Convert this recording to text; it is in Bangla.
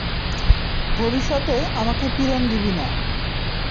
ভবিষ্যতে আমাকে পীড়ন দিবি না।